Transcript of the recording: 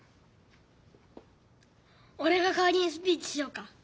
おれがかわりにスピーチしようか？